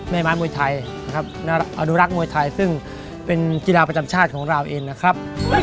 ไม้มวยไทยนะครับอนุรักษ์มวยไทยซึ่งเป็นกีฬาประจำชาติของเราเองนะครับ